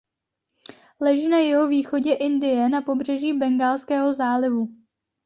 Leží na jihovýchodě Indie na pobřeží Bengálského zálivu.